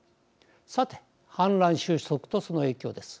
さて、反乱収束とその影響です。